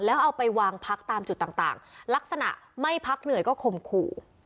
แล้วเอาไปวางพักตามจุดต่างลักษณะไม่พักเหนื่อยก็ข่มขู่